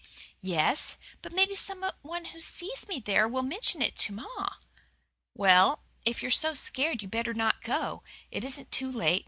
"Yes; but maybe some one who sees me there will mention it to ma." "Well, if you're so scared you'd better not go. It isn't too late.